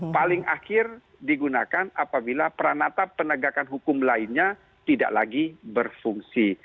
paling akhir digunakan apabila peranata penegakan hukum lainnya tidak lagi berfungsi